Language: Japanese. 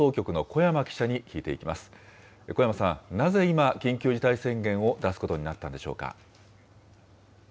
古山さん、なぜ今、緊急事態宣言を出すことになったんでしょうか。